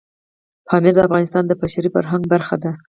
پامیر د افغانستان د بشري فرهنګ برخه ده.